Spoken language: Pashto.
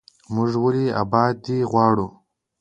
موږ ولې ابادي غواړو؟